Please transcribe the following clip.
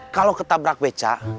kalau ketabrak becak